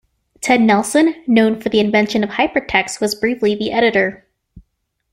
Ted Nelson, known for the invention of hypertext, was briefly the editor.